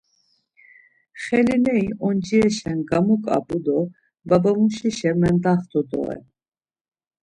Xelineri oncireşen gamuǩap̌u do babamuşişe mendaxtu doren.